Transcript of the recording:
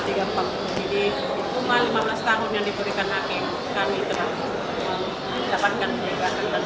di rumah lima belas tahun yang diberikan hakim kami telah mendapatkan kebijakan